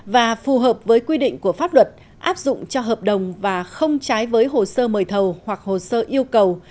và phù hợp với quy định của pháp luật áp dụng cho hợp đồng và không trái với hồ sơ mời thầu hoặc hồ sơ yêu cầu